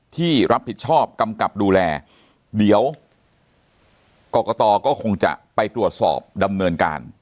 ที่รับผิดชอบกำกับดูแลเดี๋ยวกรกตก็คงจะไปตรวจสอบดำเนินการ